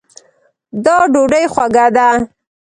دا ډوډۍ خوږه ده